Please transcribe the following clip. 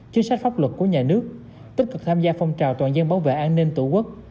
chính sách pháp luật của nhà nước tích cực tham gia phong trào toàn dân bảo vệ an ninh tổ quốc